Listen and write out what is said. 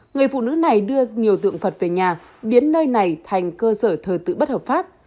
người phụ nữ này đưa nhiều tượng phật về nhà biến nơi này thành cơ sở thờ tự bất hợp pháp